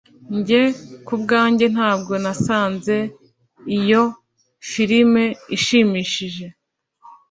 Njye kubwanjye ntabwo nasanze iyo firime ishimishije